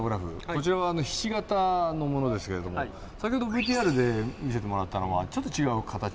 こちらはひし形のものですけれども先ほどＶＴＲで見せてもらったのはちょっと違う形だったと。